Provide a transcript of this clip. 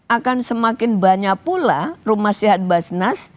akan semakin banyak pula rumah sehat basnas